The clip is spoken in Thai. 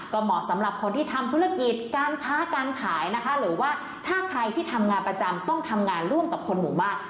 ก็เหมาะสำหรับคนที่ทำธุรกิจการค้าการขายนะคะหรือว่าถ้าใครที่ทำงานประจำต้องทำงานร่วมกับคนหมู่บ้าน